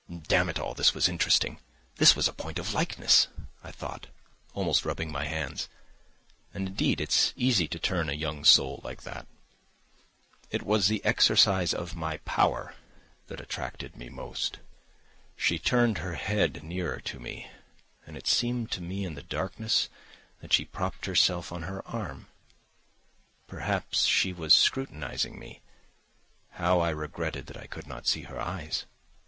"Damn it all, this was interesting, this was a point of likeness!" I thought, almost rubbing my hands. And indeed it's easy to turn a young soul like that! It was the exercise of my power that attracted me most. She turned her head nearer to me, and it seemed to me in the darkness that she propped herself on her arm. Perhaps she was scrutinising me. How I regretted that I could not see her eyes.